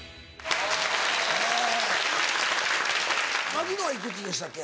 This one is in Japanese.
槙野は幾つでしたっけ？